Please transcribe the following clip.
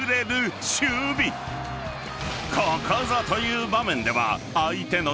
［ここぞという場面では］